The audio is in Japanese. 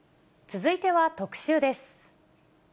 続いては特集です。